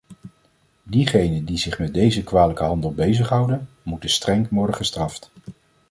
Diegenen die zich met deze kwalijke handel bezighouden, moeten streng worden gestraft.